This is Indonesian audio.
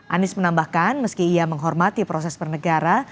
anies menambahkan meski ia menghormati proses bernegara